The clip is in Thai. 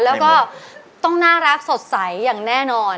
แล้วก็ต้องน่ารักสดใสอย่างแน่นอน